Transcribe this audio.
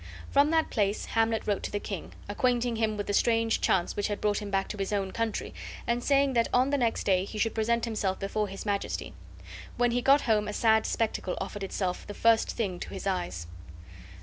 From that place Hamlet wrote to the king, acquainting him with the strange chance which had brought him back to his own country and saying that on the next day he should present himself before his Majesty. When he got home a sad spectacle offered itself the first thing to his eyes.